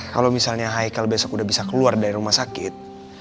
kalau misalnya hikal besok udah bisa keluar dari rumah sakit